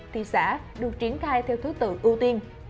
thị xã được triển khai theo thứ tự ưu tiên